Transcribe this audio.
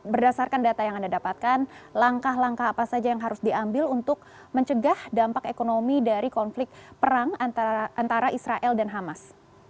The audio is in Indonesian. berdasarkan data yang anda dapatkan langkah langkah apa saja yang harus diambil untuk mencegah dampak ekonomi dari konflik perang antara israel dan hamas